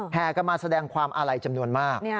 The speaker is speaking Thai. แห่กันมาแสดงความอาลัยจำนวนมาก